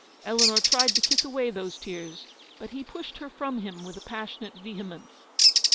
Eleanor tried to kiss away those tears ; but he pushed her from him with passionate vehe mence.